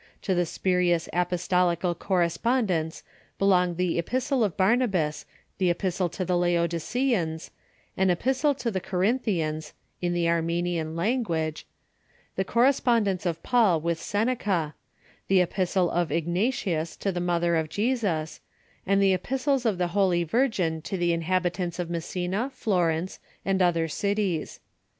To the spurious apostolical correspondence belong the Epistle of Barnabas, the Epistle to the Laodiceans, an Epistle to the Corinthians (in the Armenian language), the correspondence of Paul with Seneca, the Epistle of Ignatius to the Mother of Jesus, and the Epistles of the Holy Virgin to the inhabitants of Messina, Florence, and other cities.